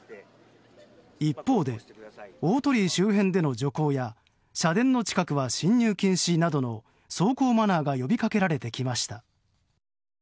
一方で大鳥居周辺での徐行や社殿の近くは進入禁止などの走行マナーが呼びかけられてきました。